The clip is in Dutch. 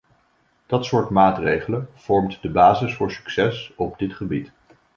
Dat soort maatregelen vormt de basis voor succes op dit gebied.